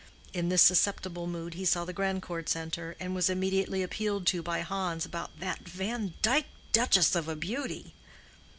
In this susceptible mood he saw the Grandcourts enter, and was immediately appealed to by Hans about "that Vandyke duchess of a beauty."